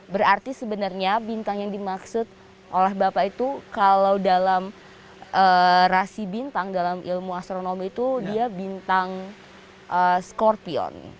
berarti sebenarnya bintang yang dimaksud oleh bapak itu kalau dalam rasi bintang dalam ilmu astronom itu dia bintang skorpion